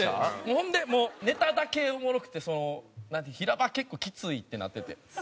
ほんでもうネタだけおもろくてその平場結構きついってなってて。